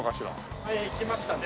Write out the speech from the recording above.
前行きましたね。